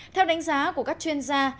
theo đánh giá của các chuyên gia